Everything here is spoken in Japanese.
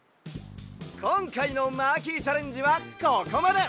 こんかいのマーキーチャレンジはここまで！